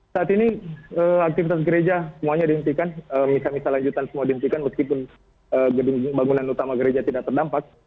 saat ini aktivitas gereja semuanya dihentikan misa misa lanjutan semua dihentikan meskipun gedung bangunan utama gereja tidak terdampak